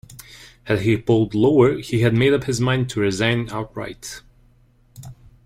Had he polled lower, he had made up his mind to resign outright.